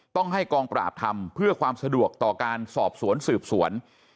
ต้องให้กองปราบทำเพื่อความสะดวกต่อการสอบสวนสืบสวน